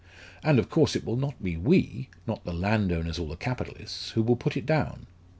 And of course it will not be we not the landowners or the capitalists who will put it down.